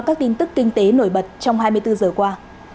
các tin tức kinh tế nổi bật trong hai mươi bốn giờ qua